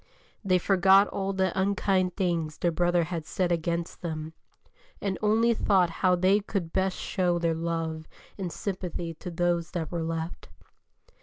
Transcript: They forgot all the unkind things their brother had said against them, and only thought how they could best show their love and sympathy to those that were left.